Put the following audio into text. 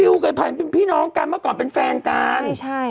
ดิวกับไผ่เป็นพี่น้องกันเมื่อก่อนเป็นแฟนกันใช่ใช่